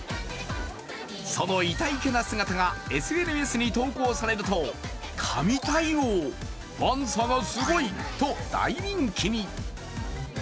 そのいたいけな姿がＳＮＳに投稿されると神対応、ファンサがすごいと大人気に。